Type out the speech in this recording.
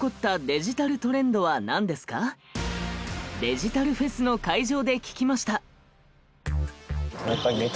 デジタルフェスの会場で聞きました。